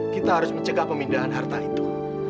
kita harus mencegah pemindahan harta itu